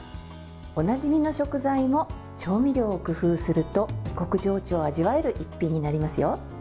おなじみの食材も調味料を工夫すると異国情緒を味わえる一品になりますよ。